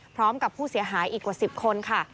พร้อมกับผู้เสียหายอีกกว่า๑๐คนค่ะ